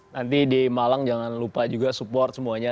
nanti di malang jangan lupa juga support semuanya